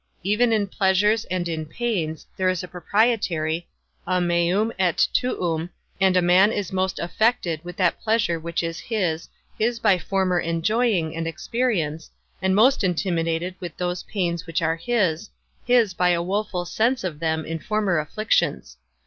Even in pleasures and in pains, there is a proprietary, a meum et tuum, and a man is most affected with that pleasure which is his, his by former enjoying and experience, and most intimidated with those pains which are his, his by a woful sense of them, in former afflictions.